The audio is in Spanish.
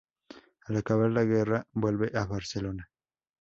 Al acabar la guerra vuelve a Barcelona.